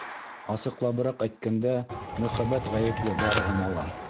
Асыҡлабыраҡ әйткәндә, мөхәббәт ғәйепле барыһына ла.